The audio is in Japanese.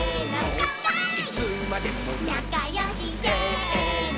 「なかよし」「せーの」